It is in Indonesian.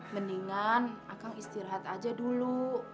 mendingan akan istirahat aja dulu